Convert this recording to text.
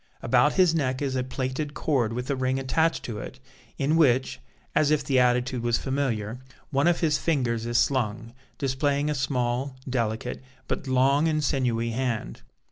About his neck is a plaited cord with a ring attached to it, in which, as if the attitude was familiar, one of his fingers is slung, displaying a small, delicate, but long and sinewy hand.